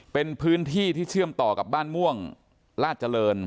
เป็นพื้นที่ที่เชื่อมต่อกับบ้านม่วงราชเจริญ